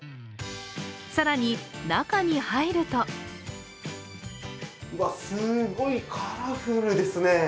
更に、中に入るとうわっ、すごいカラフルですね。